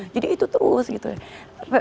jadi itu terus gitu ya